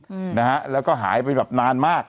อืมนะฮะแล้วก็หายไปแบบนานมาก